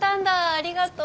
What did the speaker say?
ありがとう。